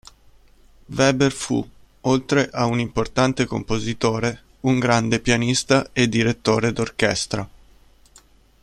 Weber fu, oltre a un importante compositore, un grande pianista e direttore d'orchestra.